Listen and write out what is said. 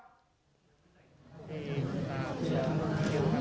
รายงานสดจากร้านอนุสาวรี๓กษัตริย์